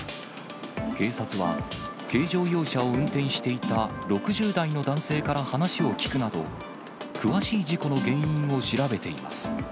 警察は軽乗用車を運転していた６０代の男性から話を聴くなど、詳しい事故の原因を調べています。